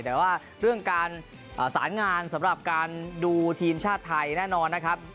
แต่ว่าเรื่องการสารงานสำหรับการดูทีมชาติไทยแน่นอนนะครับ